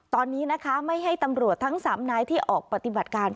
ตอนนี้นะคะไม่ให้ตำรวจทั้ง๓นายที่ออกปฏิบัติการ